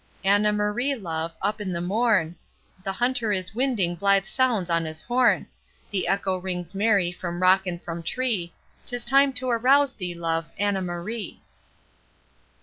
Anna Marie, love, up in the morn, The hunter is winding blithe sounds on his horn, The echo rings merry from rock and from tree, 'Tis time to arouse thee, love, Anna Marie.